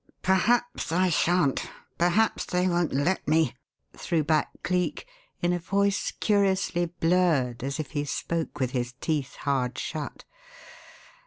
"Perhaps I shan't. Perhaps they won't let me!" threw back Cleek, in a voice curiously blurred, as if he spoke with his teeth hard shut.